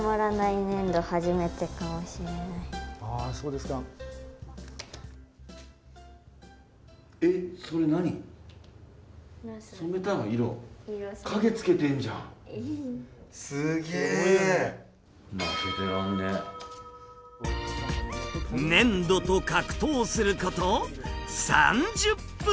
粘土と格闘すること３０分。